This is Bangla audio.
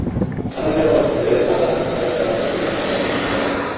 আসামিদের মধ্যে শাহজাহান সরকার ছাড়া বাকিরা মামলার শুরু থেকেই পলাতক রয়েছেন।